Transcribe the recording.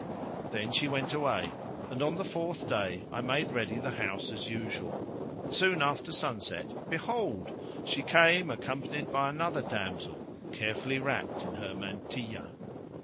Then she went away, and on the fourth day I made ready the house as usual, and soon after sunset behold, she came, accompanied by another damsel carefully wrapped in her mantilla.